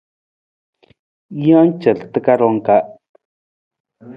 Jee car takarang ka.